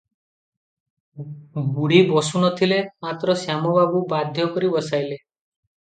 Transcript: ବୁଢ଼ୀ ବସୁ ନଥିଲେ, ମାତ୍ର ଶ୍ୟାମବାବୁ ବାଧ୍ୟ କରି ବସାଇଲେ ।